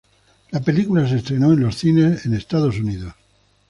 La película se estrenó en los cines en Estados Unidos.